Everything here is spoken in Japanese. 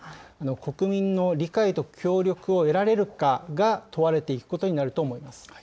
国民の理解と協力を得られるかが問われていくことになると思います。